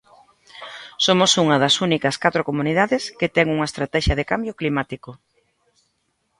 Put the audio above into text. Somos unha das únicas catro comunidades que ten unha Estratexia de cambio climático.